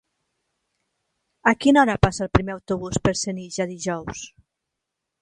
A quina hora passa el primer autobús per Senija dijous?